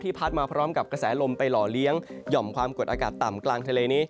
พัดมาพร้อมกับกระแสลมไปหล่อเลี้ยงหย่อมความกดอากาศต่ำกลางทะเลนี้